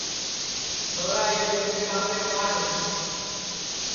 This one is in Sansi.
چھورا یہ ٻودَے کاپڑے کاڈھ